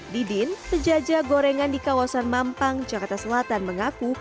didin penjajah gorengan di kawasan mampang jakarta selatan mengaku